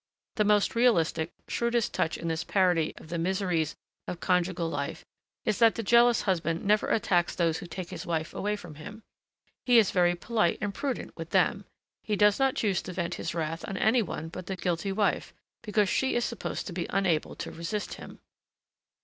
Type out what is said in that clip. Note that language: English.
The most realistic, shrewdest touch in this parody of the miseries of conjugal life, is that the jealous husband never attacks those who take his wife away from him. He is very polite and prudent with them, he does not choose to vent his wrath on any one but the guilty wife, because she is supposed to be unable to resist him.